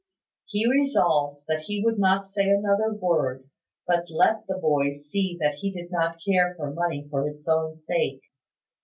He resolved that he would not say another word, but let the boys see that he did not care for money for its own sake.